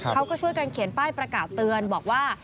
เขาก็ช่วยกันเขียนป้ายประกาศเตือนบอกว่า